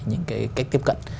những cái cách tiếp cận